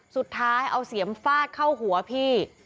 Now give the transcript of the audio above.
สุดท้ายเอาเสียมฟาดเข้าหัวพี่